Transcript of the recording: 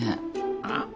あっ？